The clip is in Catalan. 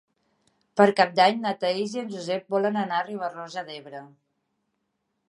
Per Cap d'Any na Thaís i en Josep volen anar a Riba-roja d'Ebre.